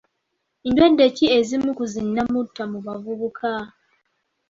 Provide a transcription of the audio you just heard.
Ndwadde ki ezimu ku zi nnamutta mu bavubuka?